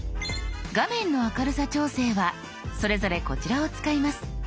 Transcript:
画面の明るさ調整はそれぞれこちらを使います。